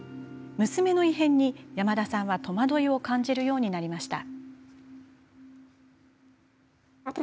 娘の異変に、山田さんは戸惑いを感じるようになりました。